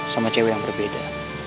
sama cewek yang berbeda